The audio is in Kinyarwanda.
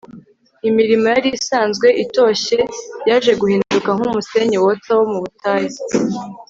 Imirimo yari isanzwe itoshye yaje guhinduka nkumusenyi wotsa wo mu butayu